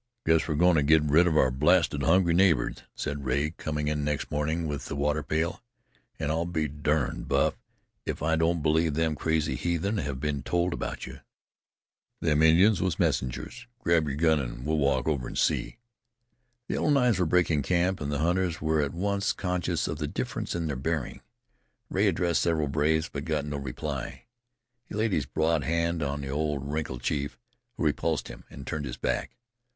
"Guess we're goin' to get rid of our blasted hungry neighbors," said Rea, coming in next morning with the water pail, "An' I'll be durned, Buff, if I don't believe them crazy heathen have been told about you. Them Indians was messengers. Grab your gun, an' let's walk over and see." The Yellow Knives were breaking camp, and the hunters were at once conscious of the difference in their bearing. Rea addressed several braves, but got no reply. He laid his broad hand on the old wrinkled chief, who repulsed him, and turned his back.